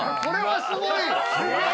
すごい！